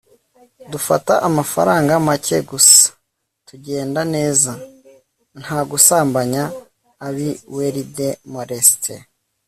dufata amafaranga make gusa tugenda neza. nta gusambanya. abi we de molest